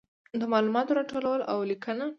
د معلوماتو راټولول او لیکنه.